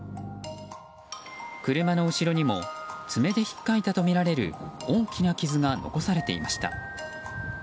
車の後ろにも爪でひっかいたとみられる大きな傷が残されていました。